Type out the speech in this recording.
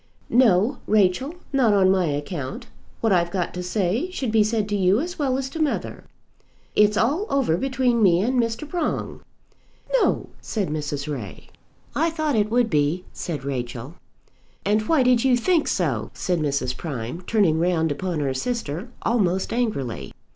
"No, Rachel; not on my account. What I've got to say should be said to you as well as to mother. It's all over between me and Mr. Prong." "No!" said Mrs. Ray. "I thought it would be," said Rachel. "And why did you think so?" said Mrs. Prime, turning round upon her sister, almost angrily.